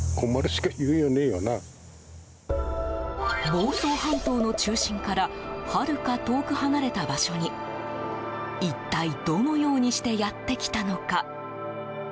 房総半島の中心からはるか遠く離れた場所に一体どのようにしてやってきたのか。